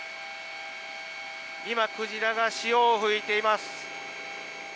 今、クジラが潮を吹いています。